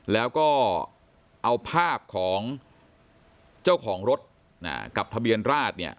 แล้วก็เอาภาพของเจ้าของรถกับทะเบียนราชเนี่ย